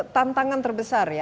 tantangan terbesar ya